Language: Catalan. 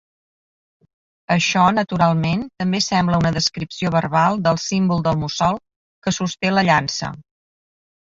Això, naturalment, també sembla una descripció verbal del símbol del mussol que sosté la llança.